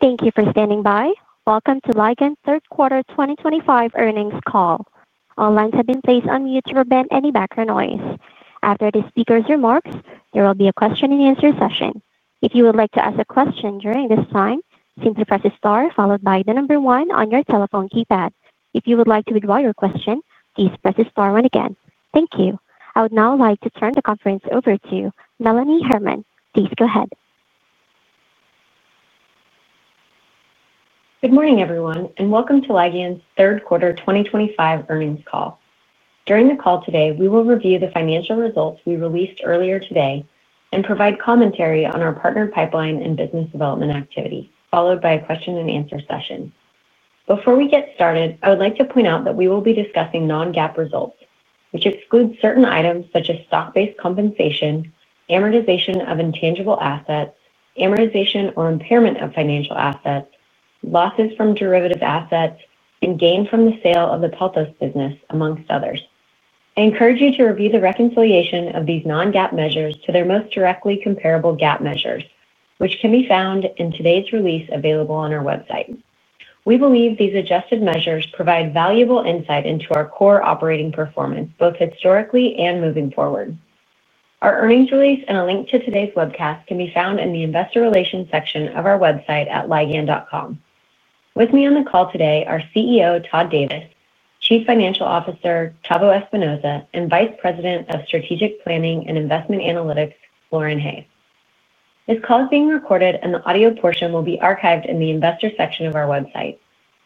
Thank you for standing by. Welcome to Ligand third quarter 2025 earnings call. All lines have been placed on mute to prevent any background noise. After the speaker's remarks, there will be a question-and-answer session. If you would like to ask a question during this time, simply press the star followed by the number one on your telephone keypad. If you would like to withdraw your question, please press the star one again. Thank you. I would now like to turn the conference over to Melanie Herman. Please go ahead. Good morning, everyone, and welcome to Ligand's third quarter 2025 earnings call. During the call today, we will review the financial results we released earlier today and provide commentary on our partner pipeline and business development activity, followed by a question-and-answer session. Before we get started, I would like to point out that we will be discussing non-GAAP results, which exclude certain items such as stock-based compensation, amortization of intangible assets, amortization or impairment of financial assets, losses from derivative assets, and gain from the sale of the Pelthos business, amongst others. I encourage you to review the reconciliation of these non-GAAP measures to their most directly comparable GAAP measures, which can be found in today's release available on our website. We believe these adjusted measures provide valuable insight into our core operating performance, both historically and moving forward. Our earnings release and a link to today's webcast can be found in the investor relations section of our website at ligand.com. With me on the call today are CEO Todd Davis, Chief Financial Officer Tavo Espinoza, and Vice President of Strategic Planning and Investment Analytics Lauren Hay. This call is being recorded, and the audio portion will be archived in the investor section of our website.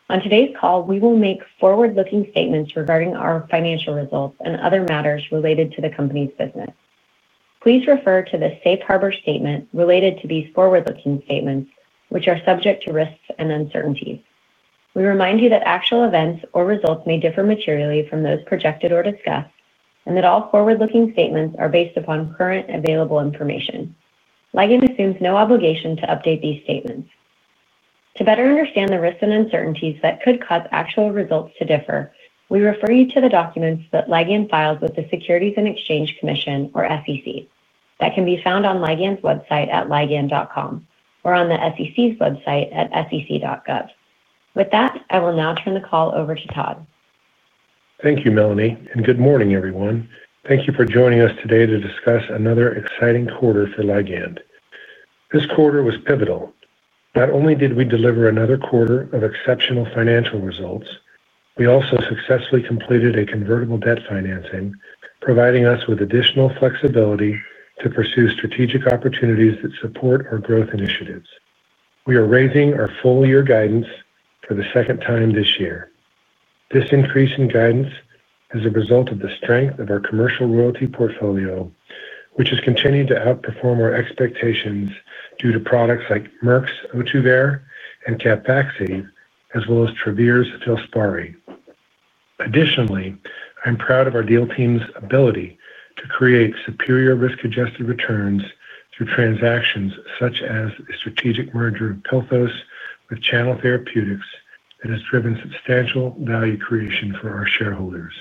On today's call, we will make forward-looking statements regarding our financial results and other matters related to the company's business. Please refer to the safe harbor statement related to these forward-looking statements, which are subject to risks and uncertainties. We remind you that actual events or results may differ materially from those projected or discussed, and that all forward-looking statements are based upon current available information. Ligand assumes no obligation to update these statements. To better understand the risks and uncertainties that could cause actual results to differ, we refer you to the documents that Ligand filed with the Securities and Exchange Commission, or SEC, that can be found on Ligand's website at ligand.com or on the SEC's website at sec.gov. With that, I will now turn the call over to Todd. Thank you, Melanie, and good morning, everyone. Thank you for joining us today to discuss another exciting quarter for Ligand. This quarter was pivotal. Not only did we deliver another quarter of exceptional financial results, we also successfully completed a convertible debt financing, providing us with additional flexibility to pursue strategic opportunities that support our growth initiatives. We are raising our full-year guidance for the second time this year. This increase in guidance is a result of the strength of our commercial royalty portfolio, which has continued to outperform our expectations due to products like Merck's Ohtuvayre and CAPVAXIVE, as well as Travere's FILSPARI. Additionally, I'm proud of our deal team's ability to create superior risk-adjusted returns through transactions such as the strategic merger of Pelthos with Channel Therapeutics that has driven substantial value creation for our shareholders.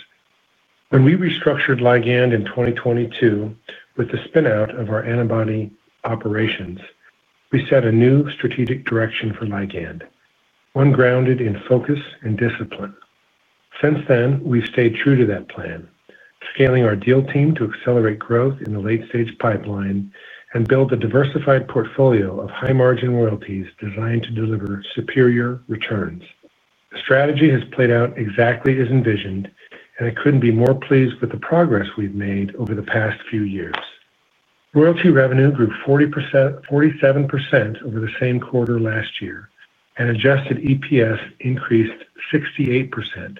When we restructured Ligand in 2022 with the spinout of our antibody operations, we set a new strategic direction for Ligand, one grounded in focus and discipline. Since then, we've stayed true to that plan, scaling our deal team to accelerate growth in the late-stage pipeline and build a diversified portfolio of high-margin royalties designed to deliver superior returns. The strategy has played out exactly as envisioned, and I couldn't be more pleased with the progress we've made over the past few years. Royalty revenue grew 47% over the same quarter last year, and adjusted EPS increased 68%,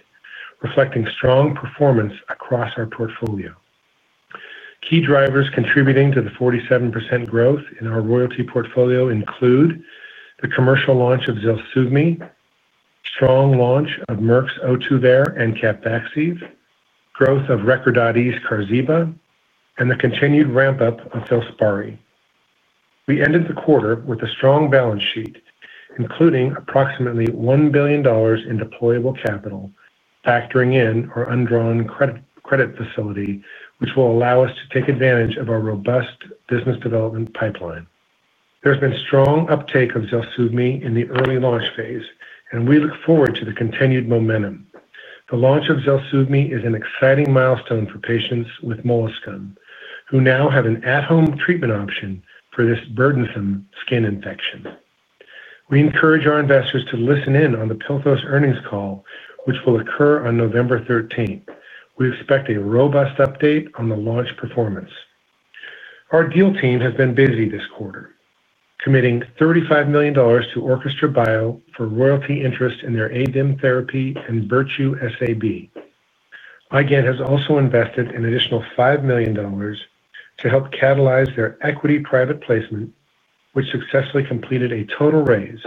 reflecting strong performance across our portfolio. Key drivers contributing to the 47% growth in our royalty portfolio include the commercial launch of ZELSUVMI, strong launch of Merck's Ohtuvayre and CAPVAXIVE, growth of Recordati's Qarziba, and the continued ramp-up of FILSPARI. We ended the quarter with a strong balance sheet, including approximately $1 billion in deployable capital, factoring in our undrawn credit facility, which will allow us to take advantage of our robust business development pipeline. There's been strong uptake of ZELSUVMI in the early launch phase, and we look forward to the continued momentum. The launch of ZELSUVMI is an exciting milestone for patients with molluscum, who now have an at-home treatment option for this burdensome skin infection. We encourage our investors to listen in on the Pelthos earnings call, which will occur on November 13th. We expect a robust update on the launch performance. Our deal team has been busy this quarter, committing $35 million to Orchestra BioMed for royalty interest in their AVIM therapy and Virtue SAB. Ligand has also invested an additional $5 million. To help catalyze their equity private placement, which successfully completed a total raise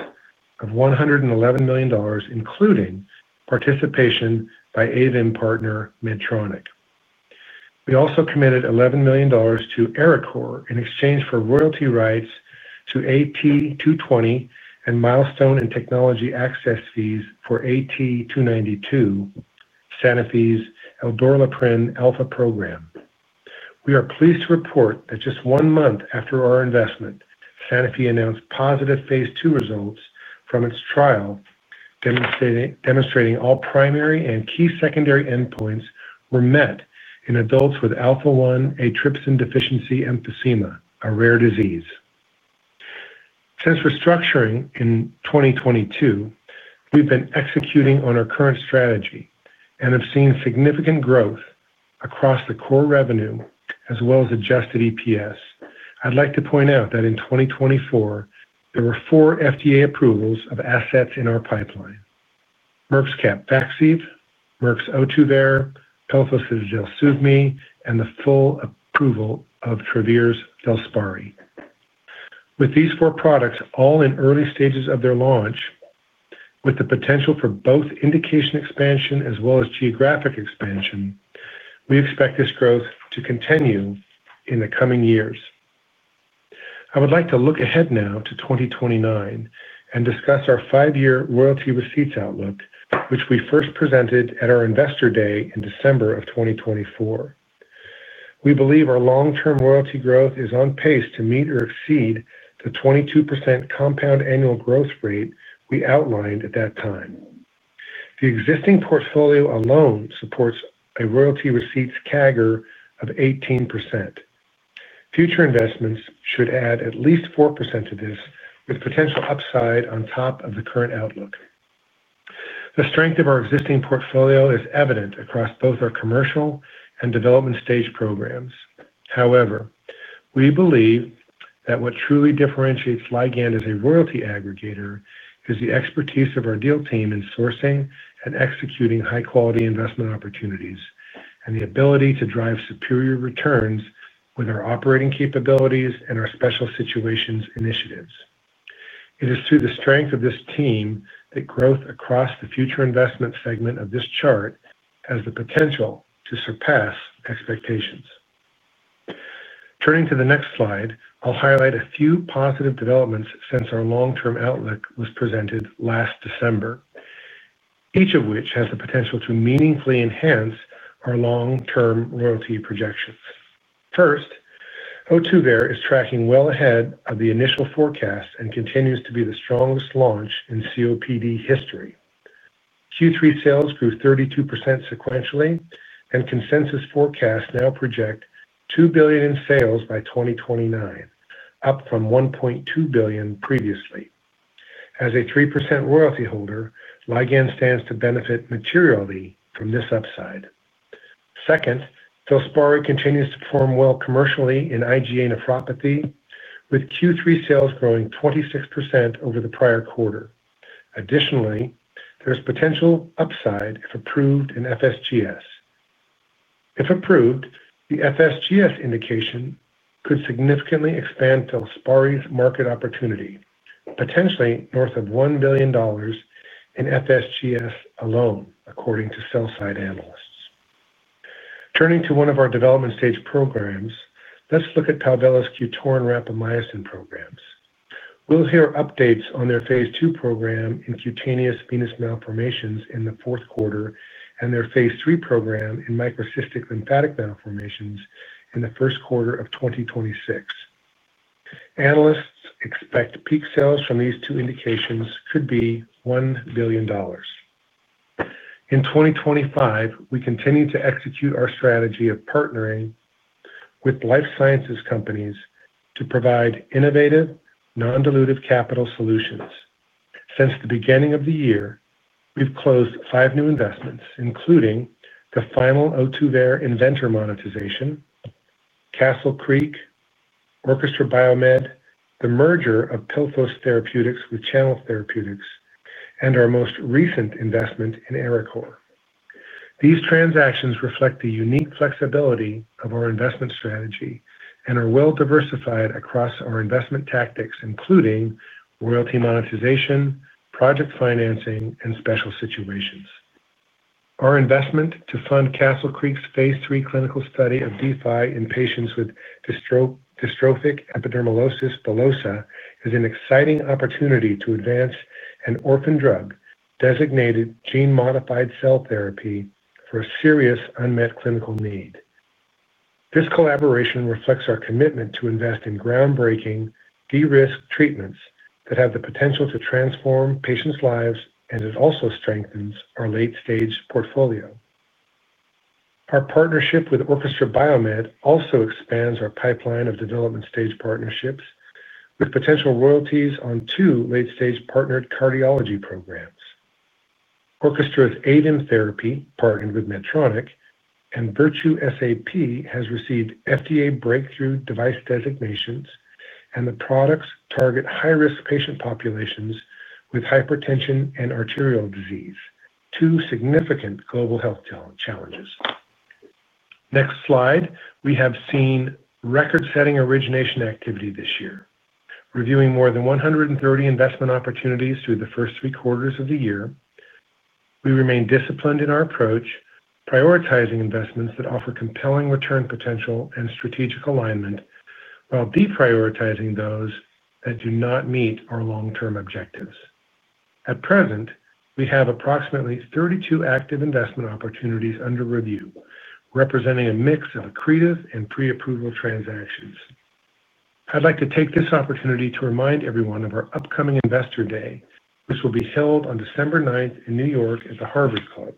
of $111 million, including participation by AVIM partner Medtronic. We also committed $11 million to Arecor, in exchange for royalty rights to AT220 and milestone and technology access fees for AT292, Sanofi's Efdoralprin alfa program. We are pleased to report that just one month after our investment, Sanofi announced positive phase II results from its trial, demonstrating all primary and key secondary endpoints were met in adults with alpha-1 antitrypsin deficiency emphysema, a rare disease. Since restructuring in 2022, we've been executing on our current strategy and have seen significant growth across the core revenue, as well as adjusted EPS. I'd like to point out that in 2024, there were four FDA approvals of assets in our pipeline: Merck's CAPVAXIVE, Merck's Ohtuvayre, Pelthos' ZELSUVMI, and the full approval of Travere's FILSPARI. With these four products all in early stages of their launch, with the potential for both indication expansion as well as geographic expansion, we expect this growth to continue in the coming years. I would like to look ahead now to 2029 and discuss our five-year royalty receipts outlook, which we first presented at our investor day in December of 2024. We believe our long-term royalty growth is on pace to meet or exceed the 22% compound annual growth rate we outlined at that time. The existing portfolio alone supports a royalty receipts CAGR of 18%. Future investments should add at least 4% to this, with potential upside on top of the current outlook. The strength of our existing portfolio is evident across both our commercial and development stage programs. However, we believe that what truly differentiates Ligand as a royalty aggregator is the expertise of our deal team in sourcing and executing high-quality investment opportunities and the ability to drive superior returns with our operating capabilities and our special situations initiatives. It is through the strength of this team that growth across the future investment segment of this chart has the potential to surpass expectations. Turning to the next slide, I'll highlight a few positive developments since our long-term outlook was presented last December. Each of which has the potential to meaningfully enhance our long-term royalty projections. First. Ohtuvayre is tracking well ahead of the initial forecast and continues to be the strongest launch in COPD history. Q3 sales grew 32% sequentially, and consensus forecasts now project $2 billion in sales by 2029, up from $1.2 billion previously. As a 3% royalty holder, Ligand stands to benefit materially from this upside. Second, FILSPARI continues to perform well commercially in IgA nephropathy, with Q3 sales growing 26% over the prior quarter. Additionally, there is potential upside if approved in FSGS. If approved, the FSGS indication could significantly expand FILSPARI's market opportunity, potentially north of $1 billion. In FSGS alone, according to sell-side analysts. Turning to one of our development stage programs, let's look at Palvella's QTORIN rapamycin programs. We'll hear updates on their phase II program in cutaneous venous malformations in the fourth quarter and their phase III program in microcystic lymphatic malformations in the first quarter of 2026. Analysts expect peak sales from these two indications could be $1 billion. In 2025, we continue to execute our strategy of partnering with life sciences companies to provide innovative, non-dilutive capital solutions. Since the beginning of the year, we've closed five new investments, including the final Ohtuvayre inventor monetization, Castle Creek, Orchestra BioMed, the merger of Pelthos Therapeutics with Channel Therapeutics, and our most recent investment in Arecor. These transactions reflect the unique flexibility of our investment strategy and are well-diversified across our investment tactics, including royalty monetization, project financing, and special situations. Our investment to fund Castle Creek's phase III clinical study of DFI in patients with dystrophic epidermolysis bullosa is an exciting opportunity to advance an orphan drug-designated gene-modified cell therapy for a serious unmet clinical need. This collaboration reflects our commitment to invest in groundbreaking de-risked treatments that have the potential to transform patients' lives and also strengthens our late-stage portfolio. Our partnership with Orchestra BioMed also expands our pipeline of development stage partnerships, with potential royalties on two late-stage partnered cardiology programs. Orchestra's AVIM therapy, partnered with Medtronic, and Virtue SAB has received FDA breakthrough device designations, and the products target high-risk patient populations with hypertension and arterial disease, two significant global health challenges. Next slide. We have seen record-setting origination activity this year, reviewing more than 130 investment opportunities through the first three quarters of the year. We remain disciplined in our approach, prioritizing investments that offer compelling return potential and strategic alignment, while deprioritizing those that do not meet our long-term objectives. At present, we have approximately 32 active investment opportunities under review, representing a mix of accretive and pre-approval transactions. I'd like to take this opportunity to remind everyone of our upcoming investor day, which will be held on December 9th in New York at the Harvard Club.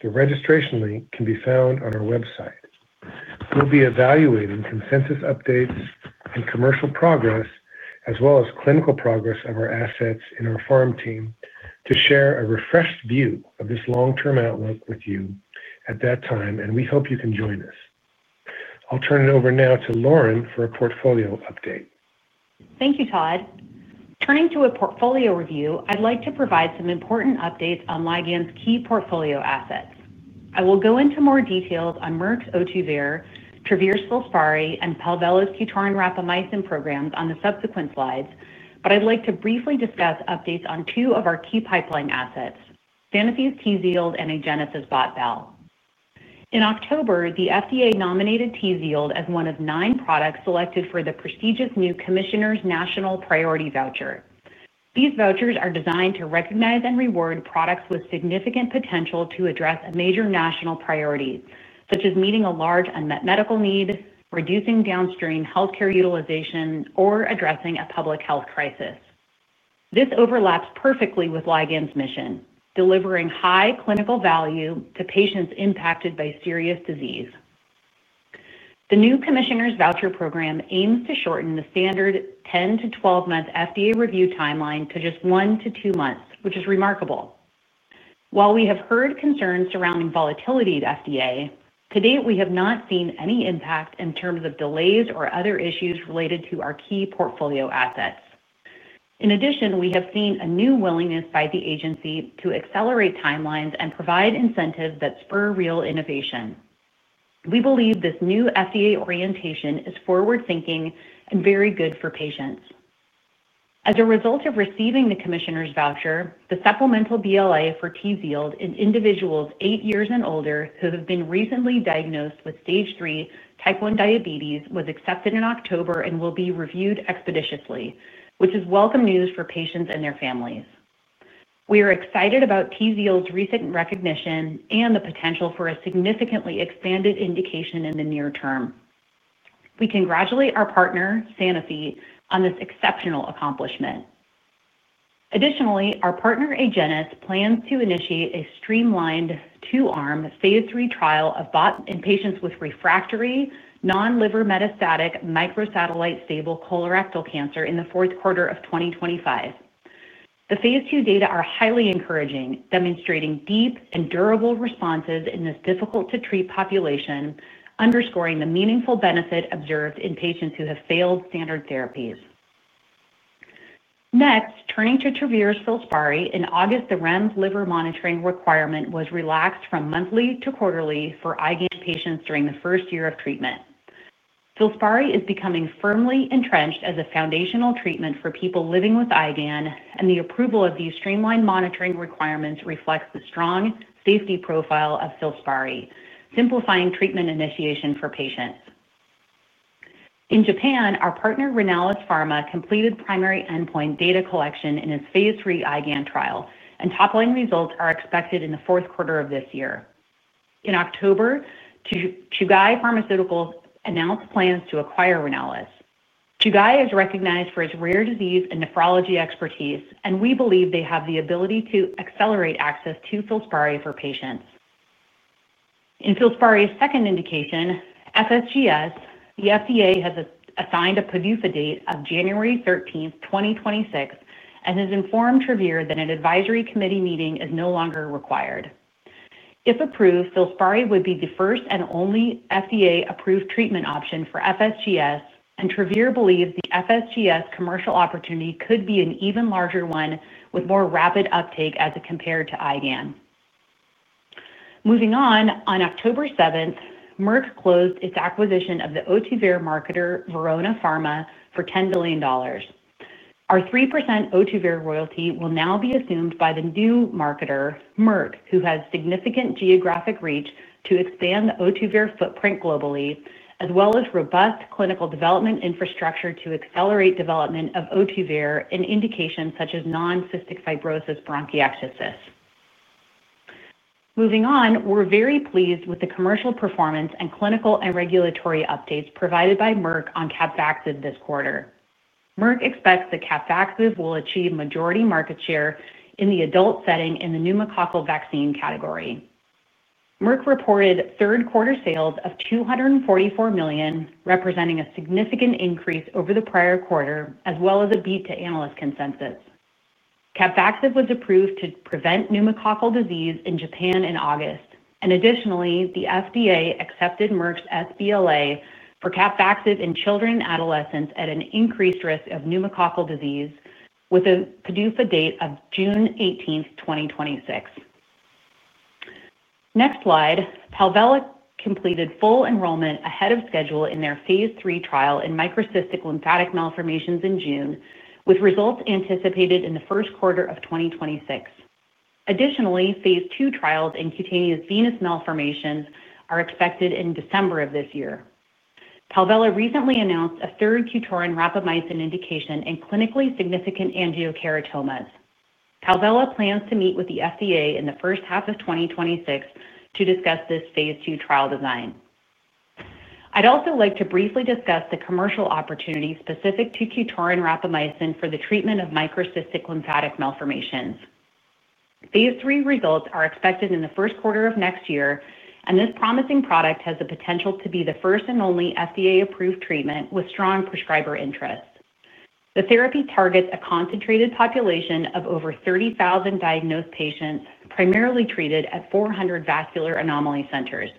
The registration link can be found on our website. We'll be evaluating consensus updates and commercial progress, as well as clinical progress of our assets in our farm team, to share a refreshed view of this long-term outlook with you at that time, and we hope you can join us. I'll turn it over now to Lauren for a portfolio update. Thank you, Todd. Turning to a portfolio review, I'd like to provide some important updates on Ligand's key portfolio assets. I will go into more details on Merck's Ohtuvayre, Travere's FILSPARI, and Palvella's QTORIN rapamycin programs on the subsequent slides, but I'd like to briefly discuss updates on two of our key pipeline assets: Sanofi's Tzield and Agenus' BOT/BAL. In October, the FDA nominated Tzield as one of nine products selected for the prestigious new Commissioner's National Priority Voucher. These vouchers are designed to recognize and reward products with significant potential to address major national priorities, such as meeting a large unmet medical need, reducing downstream healthcare utilization, or addressing a public health crisis. This overlaps perfectly with Ligand's mission, delivering high clinical value to patients impacted by serious disease. The new Commissioner's Voucher Program aims to shorten the standard 10-12 month FDA review timeline to just one to two months, which is remarkable. While we have heard concerns surrounding volatility at FDA, to date, we have not seen any impact in terms of delays or other issues related to our key portfolio assets. In addition, we have seen a new willingness by the agency to accelerate timelines and provide incentives that spur real innovation. We believe this new FDA orientation is forward-thinking and very good for patients. As a result of receiving the Commissioner's Voucher, the supplemental BLA for Tzield in individuals eight years and older who have been recently diagnosed with stage three type 1 diabetes was accepted in October and will be reviewed expeditiously, which is welcome news for patients and their families. We are excited about Tzield's recent recognition and the potential for a significantly expanded indication in the near term. We congratulate our partner, Sanofi, on this exceptional accomplishment. Additionally, our partner, Agenus, plans to initiate a streamlined two-armed phase III trial of BOT/BAL in patients with refractory, non-liver metastatic, microsatellite-stable colorectal cancer in the fourth quarter of 2025. The phase II data are highly encouraging, demonstrating deep and durable responses in this difficult-to-treat population, underscoring the meaningful benefit observed in patients who have failed standard therapies. Next, turning to Travere's FILSPARI, in August, the REMS liver monitoring requirement was relaxed from monthly to quarterly for IgA patients during the first year of treatment. FILSPARI is becoming firmly entrenched as a foundational treatment for people living with IgA nephropathy, and the approval of these streamlined monitoring requirements reflects the strong safety profile of FILSPARI, simplifying treatment initiation for patients. In Japan, our partner, Renalys Pharma, completed primary endpoint data collection in its phase III IgAN trial, and topline results are expected in the fourth quarter of this year. In October, Chugai Pharmaceutical announced plans to acquire Renalys. Chugai is recognized for its rare disease and nephrology expertise, and we believe they have the ability to accelerate access to FILSPARI for patients. In FILSPARI's second indication, FSGS, the FDA has assigned a PDUFA date of January 13, 2026, and has informed Travere that an advisory committee meeting is no longer required. If approved, FILSPARI would be the first and only FDA-approved treatment option for FSGS, and Travere believes the FSGS commercial opportunity could be an even larger one with more rapid uptake as it compared to IgAN. Moving on, on October 7, Merck closed its acquisition of the Ohtuvayre marketer Verona Pharma for $10 billion. Our 3% Ohtuvayre royalty will now be assumed by the new marketer, Merck, who has significant geographic reach to expand the Ohtuvayre footprint globally, as well as robust clinical development infrastructure to accelerate development of Ohtuvayre in indications such as non-cystic fibrosis bronchiectasis. Moving on, we're very pleased with the commercial performance and clinical and regulatory updates provided by Merck on CAPVAXIVE this quarter. Merck expects that CAPVAXIVE will achieve majority market share in the adult setting in the pneumococcal vaccine category. Merck reported third-quarter sales of $244 million, representing a significant increase over the prior quarter, as well as a beat to analyst consensus. CAPVAXIVE was approved to prevent pneumococcal disease in Japan in August, and additionally, the FDA accepted Merck's SBLA for CAPVAXIVE in children and adolescents at an increased risk of pneumococcal disease with a PDUFA date of June 18, 2026. Next slide. Palvella completed full enrollment ahead of schedule in their phase III trial in microcystic lymphatic malformations in June, with results anticipated in the first quarter of 2026. Additionally, phase II trials in cutaneous venous malformations are expected in December of this year. Palvella recently announced a third QTORIN rapamycin indication in clinically significant angiocheratomas. Palvella plans to meet with the FDA in the first half of 2026 to discuss this phase II trial design. I'd also like to briefly discuss the commercial opportunity specific to QTORIN rapamycin for the treatment of microcystic lymphatic malformations. Phase III results are expected in the first quarter of next year, and this promising product has the potential to be the first and only FDA-approved treatment with strong prescriber interest. The therapy targets a concentrated population of over 30,000 diagnosed patients, primarily treated at 400 vascular anomaly centers,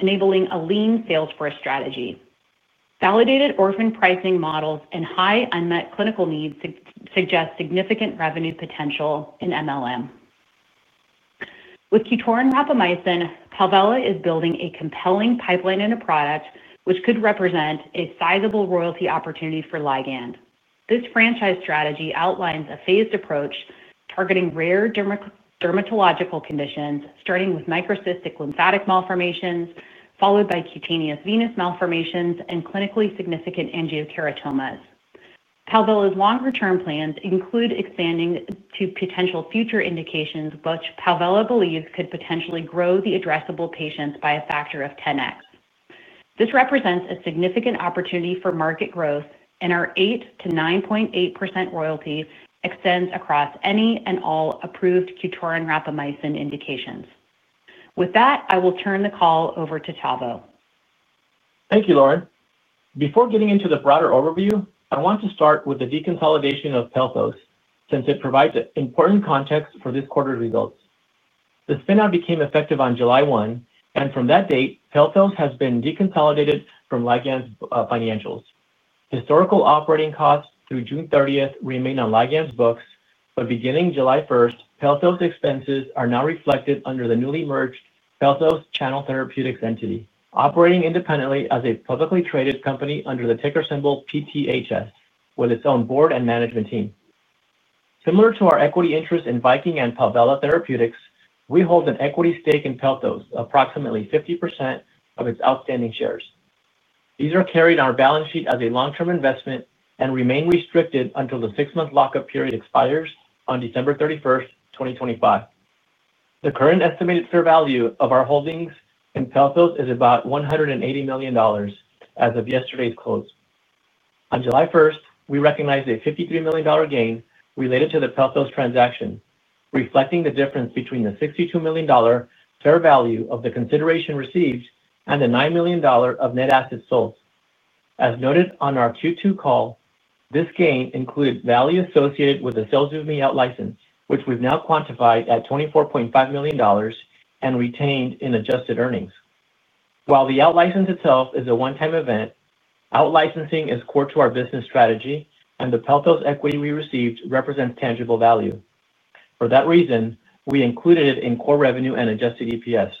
enabling a lean sales force strategy. Validated orphan pricing models and high unmet clinical needs suggest significant revenue potential in MLM. With QTORIN rapamycin, Palvella is building a compelling pipeline and a product which could represent a sizable royalty opportunity for Ligand. This franchise strategy outlines a phased approach targeting rare dermatological conditions, starting with microcystic lymphatic malformations, followed by cutaneous venous malformations, and clinically significant angiocheratomas. Palvella's longer-term plans include expanding to potential future indications, which Palvella believes could potentially grow the addressable patients by a factor of 10x. This represents a significant opportunity for market growth, and our 8-9.8% royalty extends across any and all approved QTORIN rapamycin indications. With that, I will turn the call over to Tavo. Thank you, Lauren. Before getting into the broader overview, I want to start with the deconsolidation of Pelthos, since it provides important context for this quarter's results. The spin-out became effective on July 1, and from that date, Pelthos has been deconsolidated from Ligand's financials. Historical operating costs through June 30 remain on Ligand's books, but beginning July 1, Pelthos expenses are now reflected under the newly merged Pelthos Channel Therapeutics entity, operating independently as a publicly traded company under the ticker symbol PTHS, with its own board and management team. Similar to our equity interest in Viking and Palvella Therapeutics, we hold an equity stake in Pelthos, approximately 50% of its outstanding shares. These are carried on our balance sheet as a long-term investment and remain restricted until the six-month lockup period expires on December 31, 2025. The current estimated fair value of our holdings in Pelthos is about $180 million as of yesterday's close. On July 1, we recognized a $53 million gain related to the Pelthos transaction, reflecting the difference between the $62 million fair value of the consideration received and the $9 million of net assets sold. As noted on our Q2 call, this gain included value associated with a sales-using out-license, which we've now quantified at $24.5 million and retained in adjusted earnings. While the out-license itself is a one-time event, out-licensing is core to our business strategy, and the Pelthos equity we received represents tangible value. For that reason, we included it in core revenue and adjusted EPS.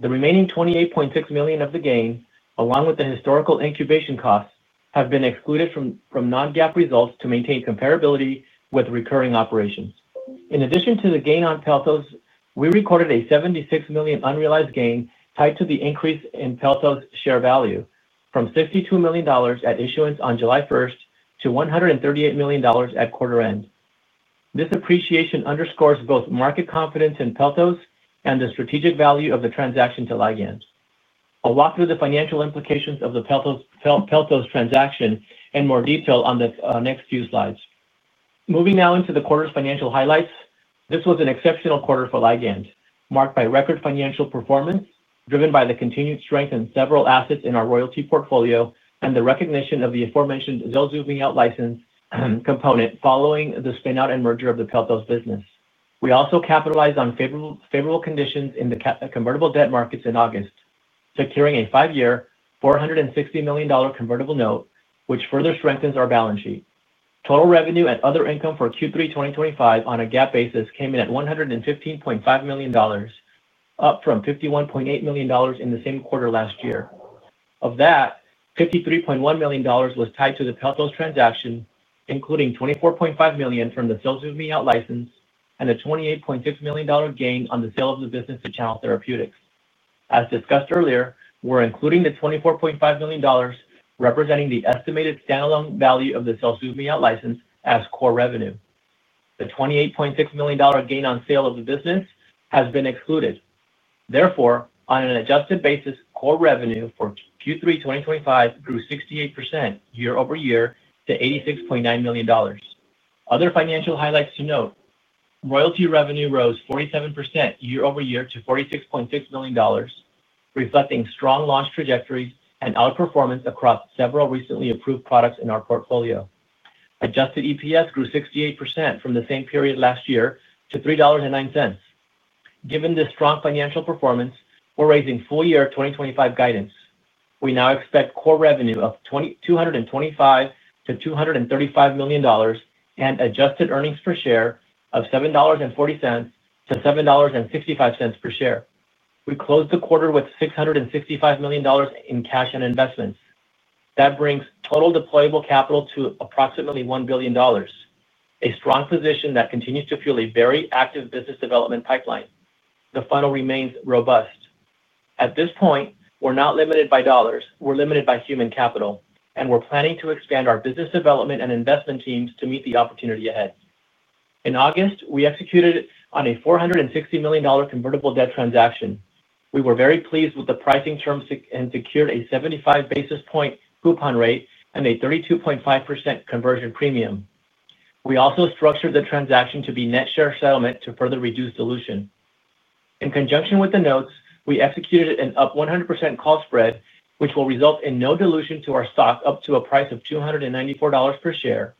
The remaining $28.6 million of the gain, along with the historical incubation costs, have been excluded from non-GAAP results to maintain comparability with recurring operations. In addition to the gain on Pelthos, we recorded a $76 million unrealized gain tied to the increase in Pelthos share value, from $62 million at issuance on July 1st to $138 million at quarter-end. This appreciation underscores both market confidence in Pelthos and the strategic value of the transaction to Ligand. I'll walk through the financial implications of the Pelthos transaction in more detail on the next few slides. Moving now into the quarter's financial highlights, this was an exceptional quarter for Ligand, marked by record financial performance driven by the continued strength in several assets in our royalty portfolio and the recognition of the aforementioned sales-using out-license component following the spin-out and merger of the Pelthos business. We also capitalized on favorable conditions in the convertible debt markets in August, securing a five-year $460 million convertible note, which further strengthens our balance sheet. Total revenue and other income for Q3 2025 on a GAAP basis came in at $115.5 million, up from $51.8 million in the same quarter last year. Of that, $53.1 million was tied to the Pelthos transaction, including $24.5 million from the sales-using out-license and a $28.6 million gain on the sale of the business to Channel Therapeutics. As discussed earlier, we're including the $24.5 million, representing the estimated standalone value of the sales-using out-license as core revenue. The $28.6 million gain on sale of the business has been excluded. Therefore, on an adjusted basis, core revenue for Q3 2025 grew 68% year over year to $86.9 million. Other financial highlights to note: royalty revenue rose 47% year over year to $46.6 million, reflecting strong launch trajectories and outperformance across several recently approved products in our portfolio. Adjusted EPS grew 68% from the same period last year to $3.09. Given this strong financial performance, we're raising full-year 2025 guidance. We now expect core revenue of $225-$235 million and adjusted earnings per share of $7.40-$7.65 per share. We closed the quarter with $665 million in cash and investments. That brings total deployable capital to approximately $1 billion. A strong position that continues to fuel a very active business development pipeline. The funnel remains robust. At this point, we're not limited by dollars. We're limited by human capital, and we're planning to expand our business development and investment teams to meet the opportunity ahead. In August, we executed on a $460 million convertible debt transaction. We were very pleased with the pricing terms and secured a 75 basis point coupon rate and a 32.5% conversion premium. We also structured the transaction to be net share settlement to further reduce dilution. In conjunction with the notes, we executed an up 100% call spread, which will result in no dilution to our stock up to a price of $294 per share.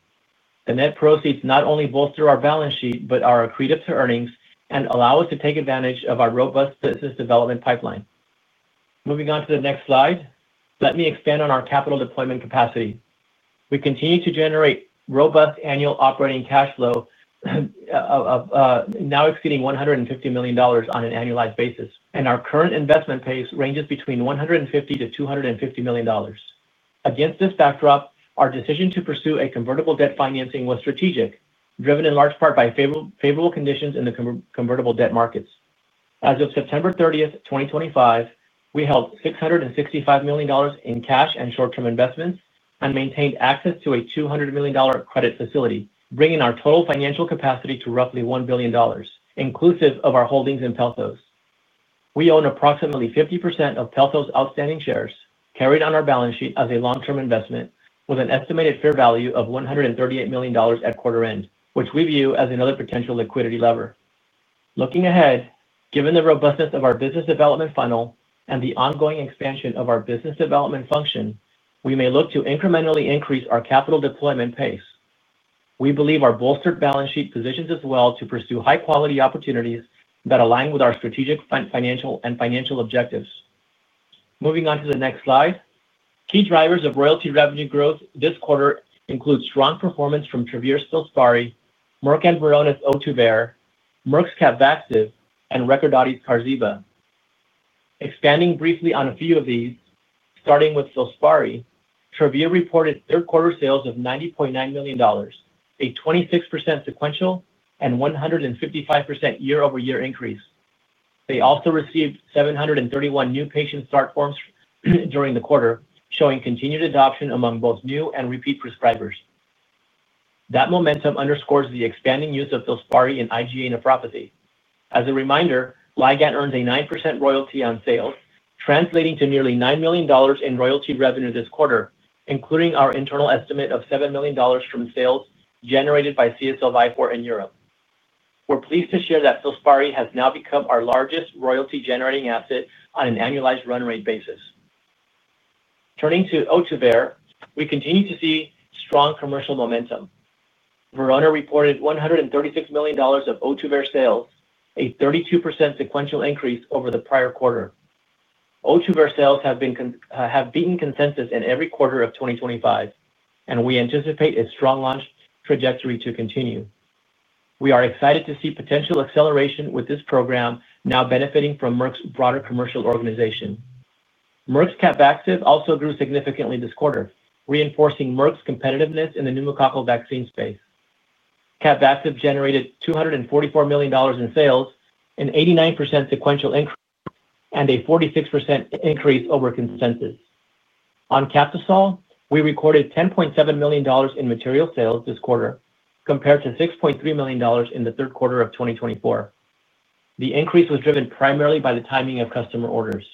The net proceeds not only bolster our balance sheet, but are accretive to earnings and allow us to take advantage of our robust business development pipeline. Moving on to the next slide, let me expand on our capital deployment capacity. We continue to generate robust annual operating cash flow, now exceeding $150 million on an annualized basis, and our current investment pace ranges between $150-$250 million. Against this backdrop, our decision to pursue a convertible debt financing was strategic, driven in large part by favorable conditions in the convertible debt markets. As of September 30, 2025, we held $665 million in cash and short-term investments and maintained access to a $200 million credit facility, bringing our total financial capacity to roughly $1 billion, inclusive of our holdings in Pelthos. We own approximately 50% of Pelthos outstanding shares carried on our balance sheet as a long-term investment, with an estimated fair value of $138 million at quarter-end, which we view as another potential liquidity lever. Looking ahead, given the robustness of our business development funnel and the ongoing expansion of our business development function, we may look to incrementally increase our capital deployment pace. We believe our bolstered balance sheet positions us well to pursue high-quality opportunities that align with our strategic financial and financial objectives. Moving on to the next slide, key drivers of royalty revenue growth this quarter include strong performance from Travere's FILSPARI, Merck & Verona's Ohtuvayre, Merck's CAPVAXIVE, and Recordati's Qarziba. Expanding briefly on a few of these, starting with FILSPARI, Travere reported third-quarter sales of $90.9 million, a 26% sequential and 155% year-over-year increase. They also received 731 new patient start forms during the quarter, showing continued adoption among both new and repeat prescribers. That momentum underscores the expanding use of FILSPARI in IgA nephropathy. As a reminder, Ligand earns a 9% royalty on sales, translating to nearly $9 million in royalty revenue this quarter, including our internal estimate of $7 million from sales generated by CSL Vifor in Europe. We're pleased to share that FILSPARI has now become our largest royalty-generating asset on an annualized run rate basis. Turning to Ohtuvayre, we continue to see strong commercial momentum. Verona reported $136 million of Ohtuvayre sales, a 32% sequential increase over the prior quarter. Ohtuvayre sales have beaten consensus in every quarter of 2025, and we anticipate a strong launch trajectory to continue. We are excited to see potential acceleration with this program now benefiting from Merck's broader commercial organization. Merck's CAPVAXIVE also grew significantly this quarter, reinforcing Merck's competitiveness in the pneumococcal vaccine space. CAPVAXIVE generated $244 million in sales, an 89% sequential increase, and a 46% increase over consensus. On Captisol, we recorded $10.7 million in material sales this quarter, compared to $6.3 million in the third quarter of 2024. The increase was driven primarily by the timing of customer orders.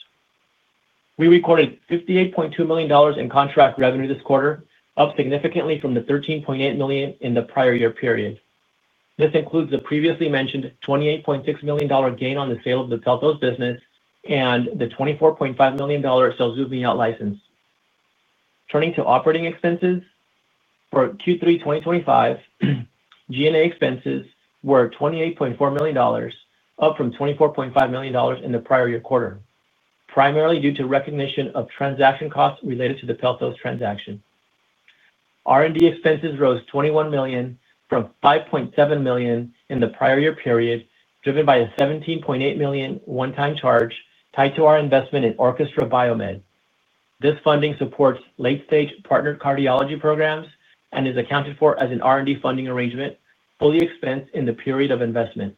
We recorded $58.2 million in contract revenue this quarter, up significantly from the $13.8 million in the prior year period. This includes the previously mentioned $28.6 million gain on the sale of the Pelthos business and the $24.5 million sales-using out-license. Turning to operating expenses, for Q3 2025. G&A expenses were $28.4 million, up from $24.5 million in the prior year quarter, primarily due to recognition of transaction costs related to the Pelthos transaction. R&D expenses rose $21 million from $5.7 million in the prior year period, driven by a $17.8 million one-time charge tied to our investment in Orchestra BioMed. This funding supports late-stage partnered cardiology programs and is accounted for as an R&D funding arrangement, fully expensed in the period of investment.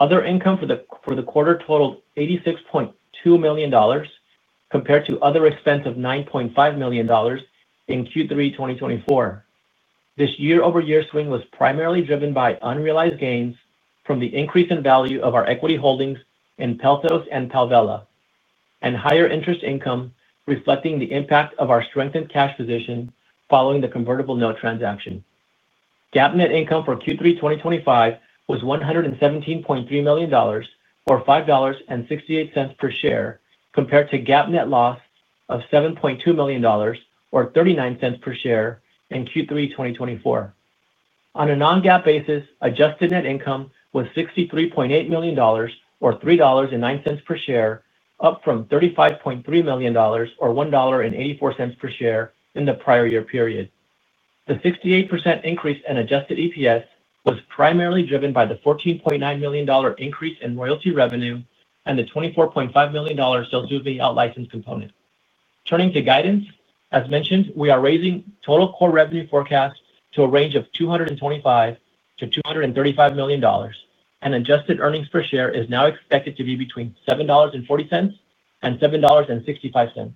Other income for the quarter totaled $86.2 million, compared to other expenses of $9.5 million. In Q3 2024. This year-over-year swing was primarily driven by unrealized gains from the increase in value of our equity holdings in Pelthos and Tovala, and higher interest income reflecting the impact of our strengthened cash position following the convertible note transaction. GAAP net income for Q3 2025 was $117.3 million, or $5.68 per share, compared to GAAP net loss of $7.2 million, or $0.39 per share, in Q3 2024. On a non-GAAP basis, adjusted net income was $63.8 million, or $3.09 per share, up from $35.3 million, or $1.84 per share, in the prior year period. The 68% increase in adjusted EPS was primarily driven by the $14.9 million increase in royalty revenue and the $24.5 million sales-using out-license component. Turning to guidance, as mentioned, we are raising total core revenue forecast to a range of $225-$235 million, and adjusted earnings per share is now expected to be between $7.40 and $7.65,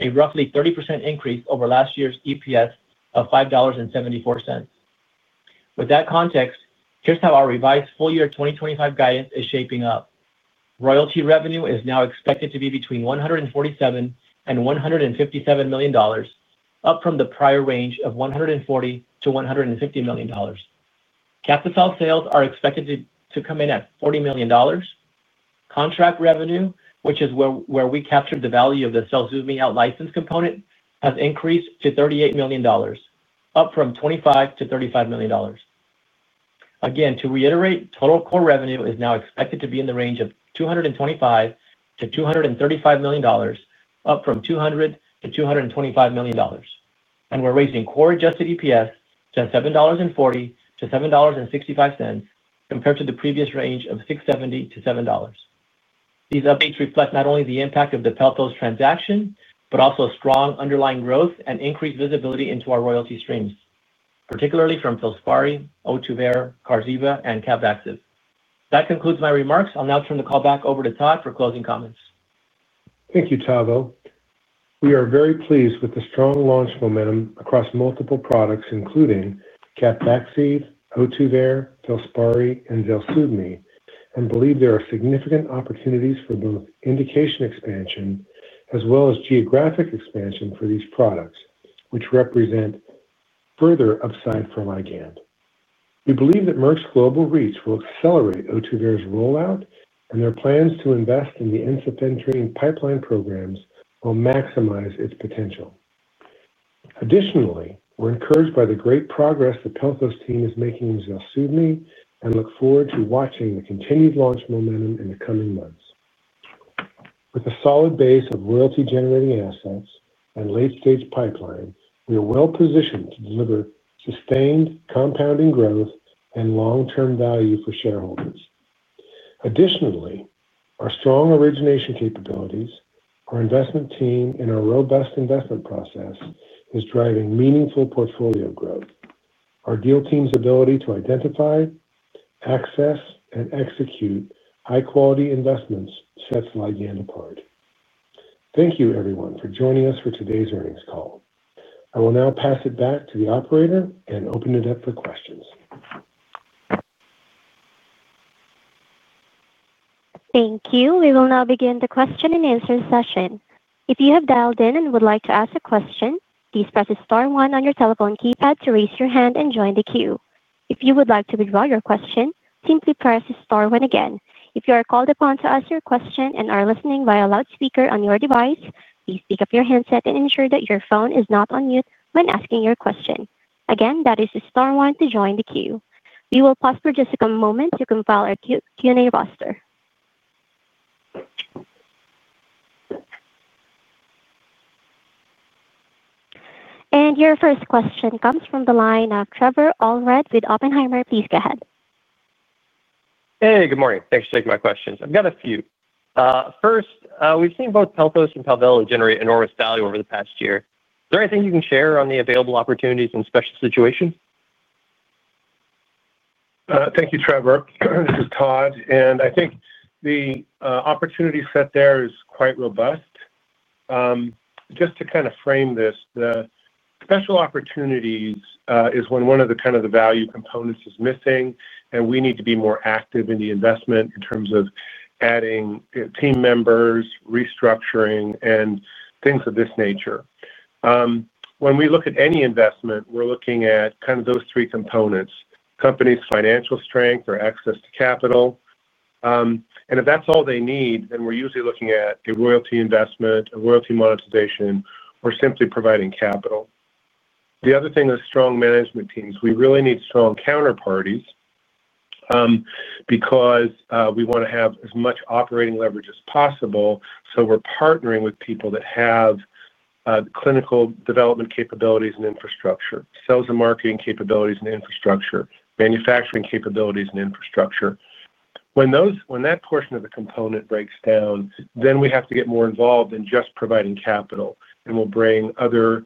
a roughly 30% increase over last year's EPS of $5.74. With that context, here's how our revised full-year 2025 guidance is shaping up. Royalty revenue is now expected to be between $147-$157 million, up from the prior range of $140-$150 million. Captisol sales are expected to come in at $40 million. Contract revenue, which is where we capture the value of the sales-using out-license component, has increased to $38 million, up from $25-$35 million. Again, to reiterate, total core revenue is now expected to be in the range of $225-$235 million, up from $200-$225 million. We're raising core adjusted EPS to $7.40-$7.65, compared to the previous range of $6.70-$7. These updates reflect not only the impact of the Pelthos transaction, but also strong underlying growth and increased visibility into our royalty streams, particularly from FILSPARI, Ohtuvayre, Qarziba, and CAPVAXIVE. That concludes my remarks. I'll now turn the call back over to Todd for closing comments. Thank you, Tavo. We are very pleased with the strong launch momentum across multiple products, including FILSPARI, Ohtuvayre, FILSPARI, and ZELSUVMI, and believe there are significant opportunities for both indication expansion as well as geographic expansion for these products, which represent further upside for Ligand. We believe that Merck's global reach will accelerate Ohtuvayre's rollout, and their plans to invest in the incentive-entering pipeline programs will maximize its potential. Additionally, we're encouraged by the great progress the Pelthos team is making in ZELSUVMI and look forward to watching the continued launch momentum in the coming months. With a solid base of royalty-generating assets and late-stage pipeline, we are well-positioned to deliver sustained compounding growth and long-term value for shareholders. Additionally, our strong origination capabilities, our investment team, and our robust investment process is driving meaningful portfolio growth. Our deal team's ability to identify, access, and execute high-quality investments sets Ligand apart. Thank you, everyone, for joining us for today's earnings call. I will now pass it back to the operator and open it up for questions. Thank you. We will now begin the question-and-answer session. If you have dialed in and would like to ask a question, please press the star one on your telephone keypad to raise your hand and join the queue. If you would like to withdraw your question, simply press the star one again. If you are called upon to ask your question and are listening via loudspeaker on your device, please pick up your handset and ensure that your phone is not on mute when asking your question. Again, that is the star one to join the queue. We will pause for just a moment to compile our Q&A roster. Your first question comes from the line of Trevor Allred with Oppenheimer. Please go ahead. Hey, good morning. Thanks for taking my questions. I've got a few. First, we've seen both Pelthos and Palvella generate enormous value over the past year. Is there anything you can share on the available opportunities and special situations? Thank you, Trevor. This is Todd, and I think the opportunity set there is quite robust. Just to kind of frame this, the special opportunities is when one of the kind of the value components is missing, and we need to be more active in the investment in terms of adding team members, restructuring, and things of this nature. When we look at any investment, we're looking at kind of those three components: company's financial strength or access to capital. If that's all they need, then we're usually looking at a royalty investment, a royalty monetization, or simply providing capital. The other thing is strong management teams. We really need strong counterparties. Because we want to have as much operating leverage as possible, we're partnering with people that have clinical development capabilities and infrastructure, sales and marketing capabilities and infrastructure, manufacturing capabilities and infrastructure. When that portion of the component breaks down, then we have to get more involved than just providing capital, and we'll bring other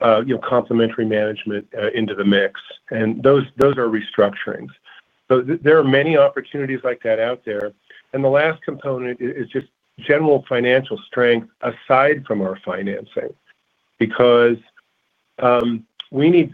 complementary management into the mix. Those are restructurings. There are many opportunities like that out there. The last component is just general financial strength aside from our financing because we need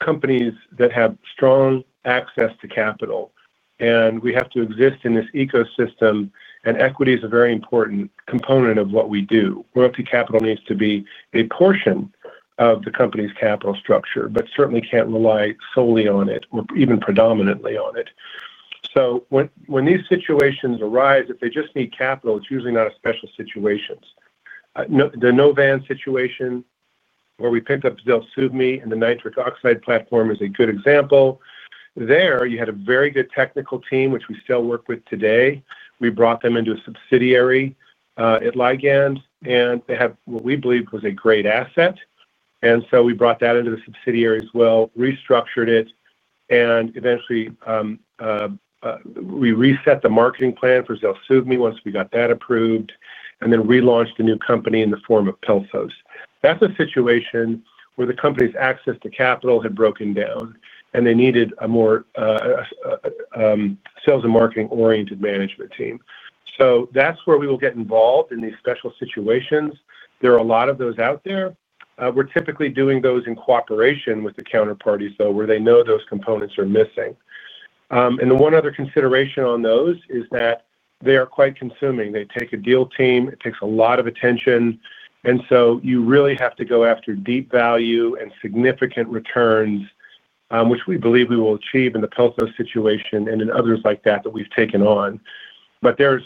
companies that have strong access to capital, and we have to exist in this ecosystem, and equity is a very important component of what we do. Royalty capital needs to be a portion of the company's capital structure, but certainly cannot rely solely on it or even predominantly on it. When these situations arise, if they just need capital, it is usually not a special situation. The Novan situation where we picked up ZELSUVMI and the nitric oxide platform is a good example. There, you had a very good technical team, which we still work with today. We brought them into a subsidiary at Ligand, and they have what we believe was a great asset. And so we brought that into the subsidiary as well, restructured it, and eventually. We reset the marketing plan for ZELSUVMI once we got that approved and then relaunched a new company in the form of Pelthos. That's a situation where the company's access to capital had broken down, and they needed a more. Sales and marketing-oriented management team. That's where we will get involved in these special situations. There are a lot of those out there. We're typically doing those in cooperation with the counterparties, though, where they know those components are missing. The one other consideration on those is that they are quite consuming. They take a deal team. It takes a lot of attention. And so you really have to go after deep value and significant returns, which we believe we will achieve in the Pelthos situation and in others like that that we've taken on. But let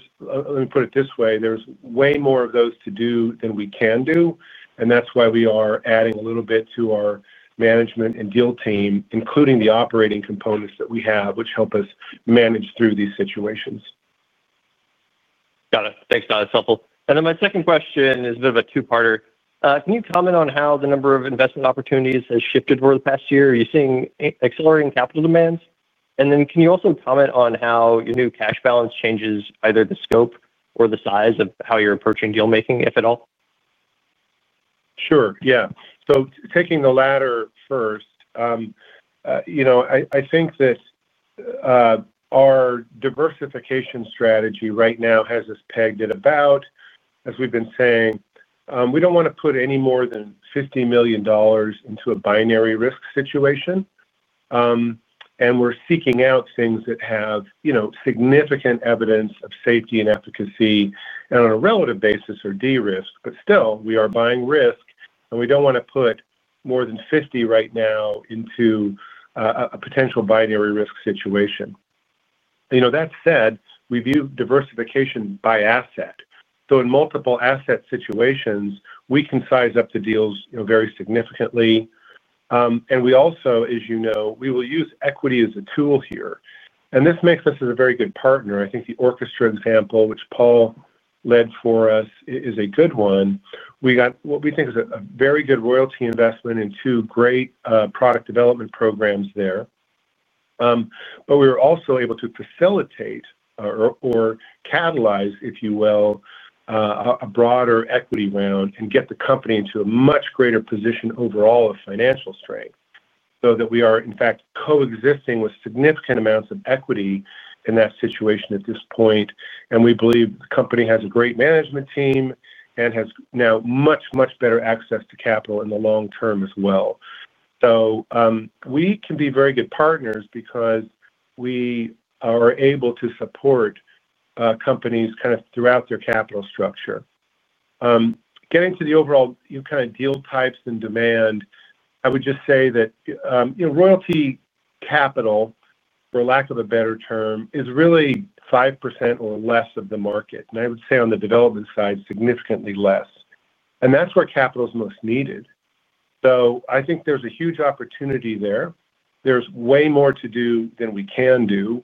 me put it this way: there's way more of those to do than we can do, and that's why we are adding a little bit to our management and deal team, including the operating components that we have, which help us manage through these situations. Got it. Thanks, Todd. That's helpful. And then my second question is a bit of a two-parter. Can you comment on how the number of investment opportunities has shifted over the past year? Are you seeing accelerating capital demands? And then can you also comment on how new cash balance changes either the scope or the size of how you're approaching deal-making, if at all? Sure. Yeah. Taking the latter first, I think that our diversification strategy right now has us pegged at about, as we've been saying, we do not want to put any more than $50 million into a binary risk situation. We are seeking out things that have significant evidence of safety and efficacy and on a relative basis are de-risked. Still, we are buying risk, and we do not want to put more than $50 million right now into a potential binary risk situation. That said, we view diversification by asset. In multiple asset situations, we can size up the deals very significantly. We also, as you know, will use equity as a tool here. This makes us a very good partner. I think the Orchestra example, which Paul led for us, is a good one. We got what we think is a very good royalty investment and two great product development programs there. We were also able to facilitate, or catalyze, if you will, a broader equity round and get the company into a much greater position overall of financial strength so that we are, in fact, coexisting with significant amounts of equity in that situation at this point. We believe the company has a great management team and has now much, much better access to capital in the long term as well. We can be very good partners because we are able to support companies kind of throughout their capital structure. Getting to the overall kind of deal types and demand, I would just say that royalty capital, for lack of a better term, is really 5% or less of the market. I would say on the development side, significantly less. That is where capital is most needed. I think there is a huge opportunity there. There is way more to do than we can do.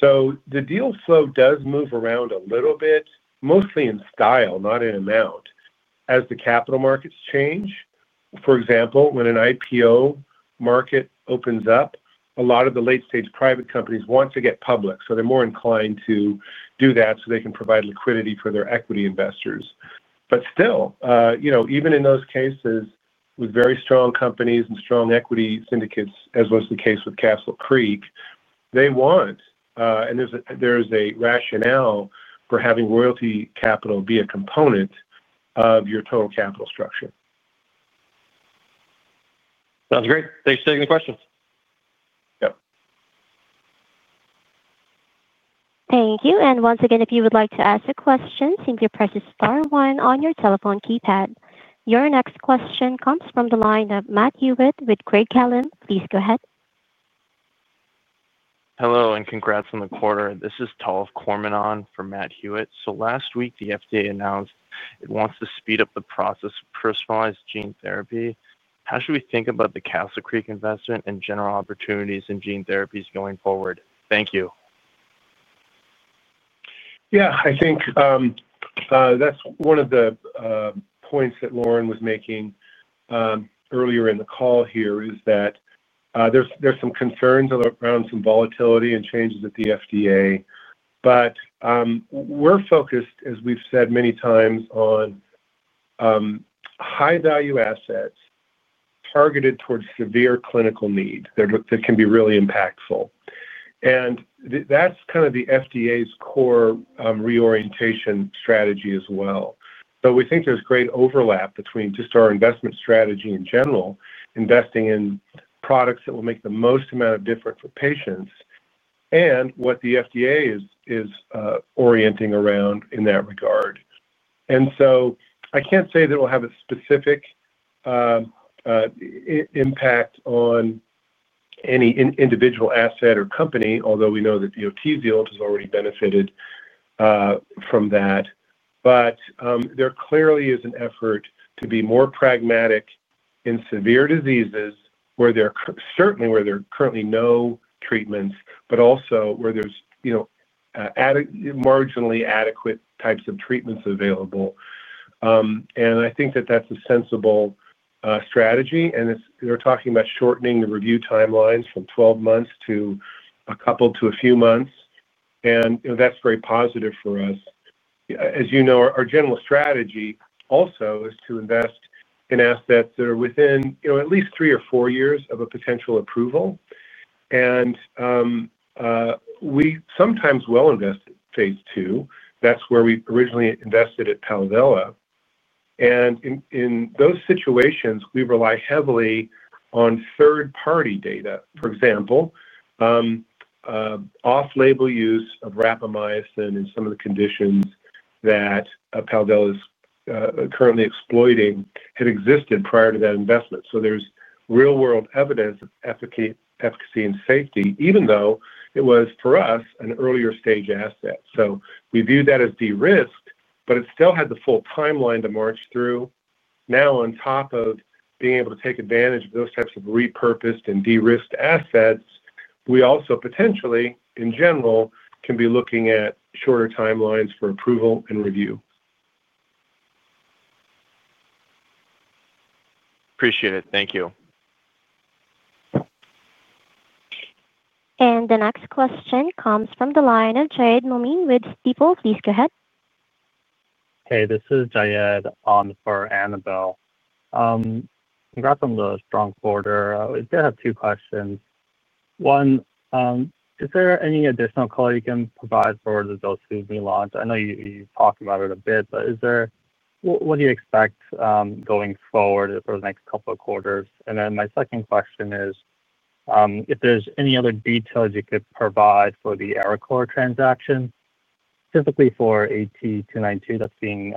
The deal flow does move around a little bit, mostly in style, not in amount, as the capital markets change. For example, when an IPO market opens up, a lot of the late-stage private companies want to get public, so they are more inclined to do that so they can provide liquidity for their equity investors. Still, even in those cases with very strong companies and strong equity syndicates, as was the case with Castle Creek, they want, and there is a rationale for having royalty capital be a component of your total capital structure. Sounds great. Thanks for taking the question. Yep. Thank you. Once again, if you would like to ask a question, simply press the Star 1 on your telephone keypad. Your next question comes from the line of Matt Hewitt with Craig-Hallum. Please go ahead. Hello, and congrats on the quarter. This is Todd Cormann on from Matt Hewitt. Last week, the FDA announced it wants to speed up the process of personalized gene therapy. How should we think about the Castle Creek investment and general opportunities in gene therapies going forward? Thank you. Yeah. I think that's one of the points that Lauren was making earlier in the call here is that there's some concerns around some volatility and changes at the FDA. We're focused, as we've said many times, on high-value assets targeted towards severe clinical need that can be really impactful. That's kind of the FDA's core reorientation strategy as well. We think there's great overlap between just our investment strategy in general, investing in products that will make the most amount of difference for patients, and what the FDA is orienting around in that regard. I can't say that it'll have a specific impact on any individual asset or company, although we know that the OT field has already benefited from that. There clearly is an effort to be more pragmatic in severe diseases, certainly where there are currently no treatments, but also where there's marginally adequate types of treatments available. I think that that's a sensible strategy. They're talking about shortening the review timelines from 12 months to a couple to a few months. That's very positive for us. As you know, our general strategy also is to invest in assets that are within at least three or four years of a potential approval. We sometimes will invest in phase two. That's where we originally invested at Palvella. In those situations, we rely heavily on third-party data. For example, off-label use of rapamycin in some of the conditions that Palvella is currently exploiting had existed prior to that investment. There's real-world evidence of efficacy and safety, even though it was, for us, an earlier-stage asset. We view that as de-risked, but it still had the full timeline to march through. On top of being able to take advantage of those types of repurposed and de-risked assets, we also potentially, in general, can be looking at shorter timelines for approval and review. Appreciate it. Thank you. The next question comes from the line of Jayed Momin with Stifel. Please go ahead. Hey, this is Jayed on for Annabelle. Congrats on the strong quarter. I did have two questions. One. Is there any additional color you can provide for the ZELSUVMI launch? I know you talked about it a bit, but what do you expect going forward for the next couple of quarters? My second question is if there's any other details you could provide for the Arecor transaction, typically for AT292 that's being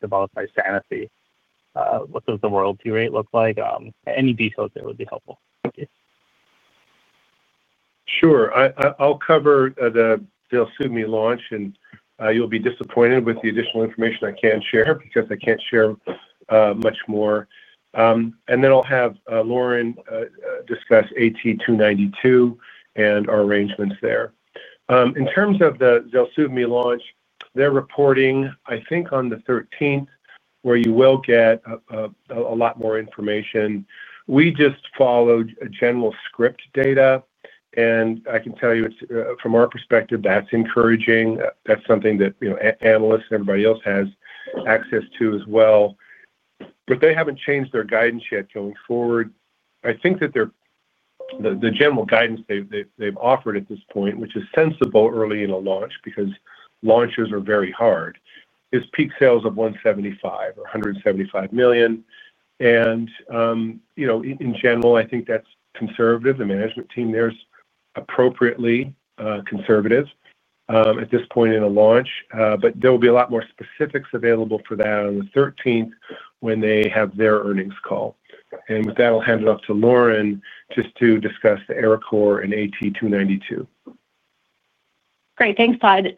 developed by Sanofi. What does the royalty rate look like? Any details there would be helpful. Thank you. Sure. I'll cover the ZELSUVMI launch, and you'll be disappointed with the additional information I can share because I can't share much more. I'll have Lauren discuss AT292 and our arrangements there. In terms of the ZELSUVMI launch, they're reporting, I think, on the 13th, where you will get a lot more information. We just followed general script data, and I can tell you, from our perspective, that's encouraging. That's something that analysts and everybody else has access to as well. They haven't changed their guidance yet going forward. I think that the general guidance they've offered at this point, which is sensible early in a launch because launches are very hard, is peak sales of $175 million. In general, I think that's conservative. The management team there is appropriately conservative at this point in a launch, but there will be a lot more specifics available for that on the 13th when they have their earnings call. With that, I'll hand it off to Lauren just to discuss the Arecor and AT292. Great. Thanks, Todd.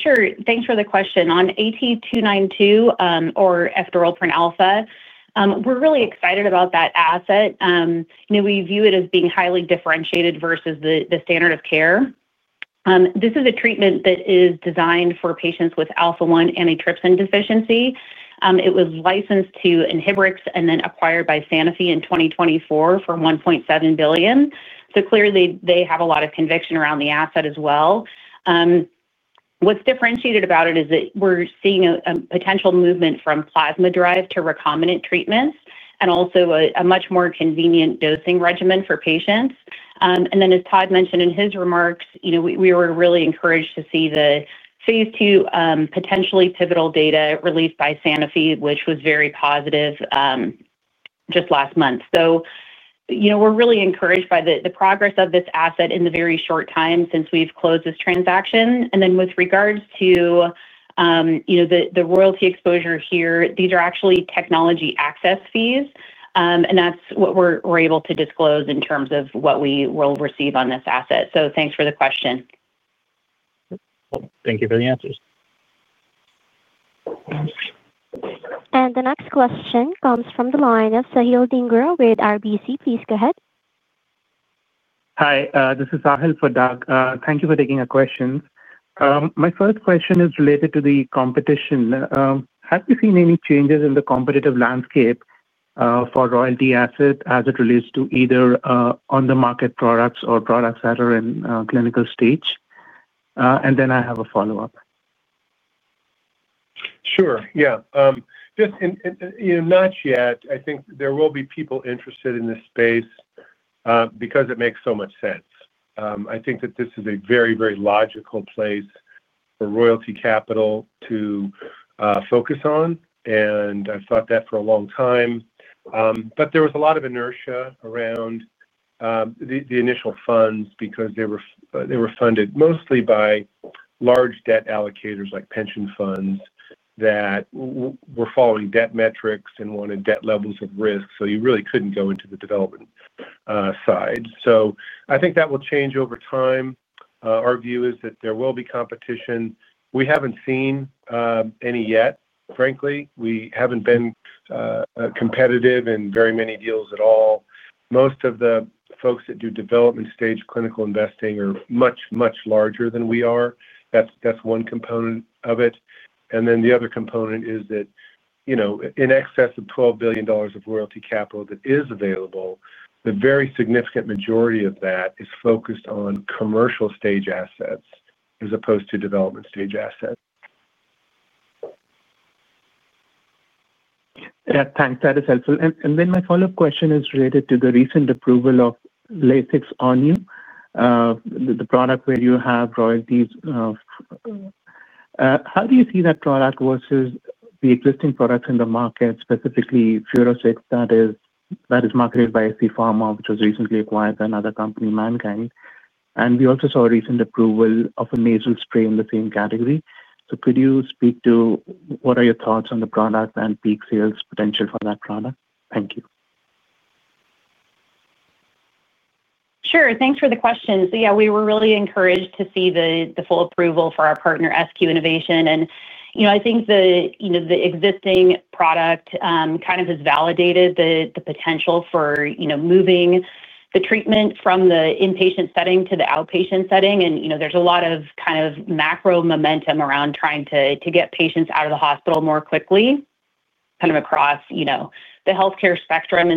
Sure, thanks for the question. On AT292, or after all, for an Alpha, we're really excited about that asset. We view it as being highly differentiated versus the standard of care. This is a treatment that is designed for patients with Alpha-1 antitrypsin deficiency. It was licensed to Inhibrx and then acquired by Sanofi in 2024 for $1.7 billion. Clearly, they have a lot of conviction around the asset as well. What's differentiated about it is that we're seeing a potential movement from plasma-derived to recombinant treatments and also a much more convenient dosing regimen for patients. As Todd mentioned in his remarks, we were really encouraged to see the phase two potentially pivotal data released by Sanofi, which was very positive just last month. We're really encouraged by the progress of this asset in the very short time since we've closed this transaction. With regards to the royalty exposure here, these are actually technology access fees, and that is what we are able to disclose in terms of what we will receive on this asset. Thanks for the question. Thank you for the answers. The next question comes from the line of Sahil Dhingra with RBC. Please go ahead. Hi. This is Sahil for Doug. Thank you for taking our questions. My first question is related to the competition. Have you seen any changes in the competitive landscape for royalty asset as it relates to either on-the-market products or products that are in clinical stage? I have a follow-up. Sure. Not yet. I think there will be people interested in this space because it makes so much sense. I think that this is a very, very logical place for royalty capital to. Focus on, and I've thought that for a long time. There was a lot of inertia around the initial funds because they were funded mostly by large debt allocators like pension funds that were following debt metrics and wanted debt levels of risk. You really couldn't go into the development side. I think that will change over time. Our view is that there will be competition. We haven't seen any yet, frankly. We haven't been competitive in very many deals at all. Most of the folks that do development-stage clinical investing are much, much larger than we are. That's one component of it. The other component is that in excess of $12 billion of royalty capital that is available, the very significant majority of that is focused on commercial-stage assets as opposed to development-stage assets. Yeah. Thanks. That is helpful. Then my follow-up question is related to the recent approval of Lasix ONYU. The product where you have royalties. How do you see that product versus the existing products in the market, specifically Furoscix that is marketed by scPharma, which was recently acquired by another company, Mannkind? We also saw a recent approval of a nasal spray in the same category. Could you speak to what are your thoughts on the product and peak sales potential for that product? Thank you. Sure. Thanks for the question. Yeah, we were really encouraged to see the full approval for our partner, SQ Innovation. I think the existing product kind of has validated the potential for moving the treatment from the inpatient setting to the outpatient setting. There is a lot of kind of macro momentum around trying to get patients out of the hospital more quickly, kind of across the healthcare spectrum.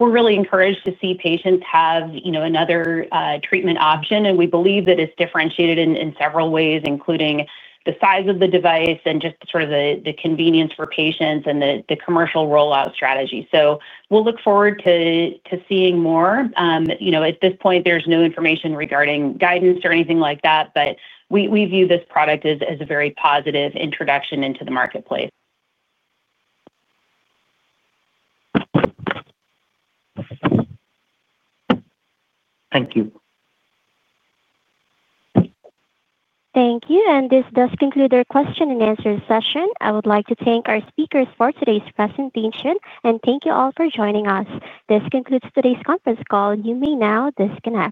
We are really encouraged to see patients have another treatment option. We believe that it is differentiated in several ways, including the size of the device and just sort of the convenience for patients and the commercial rollout strategy. We will look forward to seeing more. At this point, there is no information regarding guidance or anything like that, but we view this product as a very positive introduction into the marketplace. Thank you. Thank you. This does conclude our question-and-answer session. I would like to thank our speakers for today's presentation, and thank you all for joining us. This concludes today's conference call. You may now disconnect.